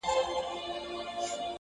بې پروا سي بس له خپلو قریبانو.